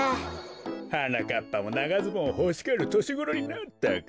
はなかっぱもながズボンほしがるとしごろになったか。